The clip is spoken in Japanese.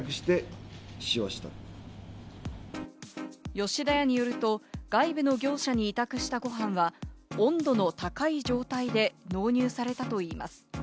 吉田屋によると、外部の業者に委託したご飯は温度の高い状態で納入されたといいます。